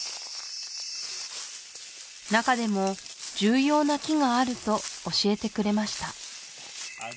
中でも重要な木があると教えてくれました